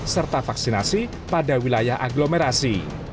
serta vaksinasi pada wilayah agglomerasi